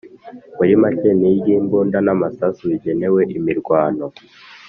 Muri make ni ry’imbunda n,amasasu bigenewe imirwano.